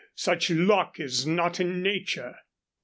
Such luck is not in nature."